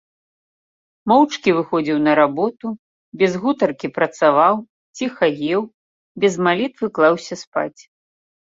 Моўчкі выходзіў на работу, без гутаркі працаваў, ціха еў, без малітвы клаўся спаць.